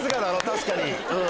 確かに。